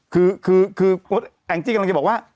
คือแองจิกกำลังจะบอกว่า